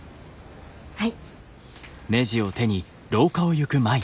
はい。